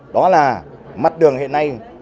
đó là mặt đường hiện nay